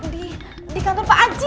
di kantor pak haji